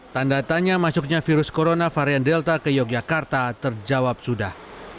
tanda tanya masuknya virus corona varian delta ke yogyakarta terjawab sudah